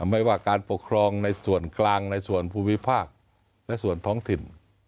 ไม่ว่าการปกครองในส่วนกลางในส่วนภูมิภาคและส่วนท้องถิ่น